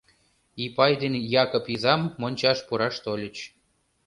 Ипай ден Якып изам мончаш пураш тольыч.